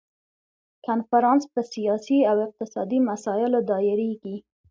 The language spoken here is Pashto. کنفرانس په سیاسي او اقتصادي مسایلو دایریږي.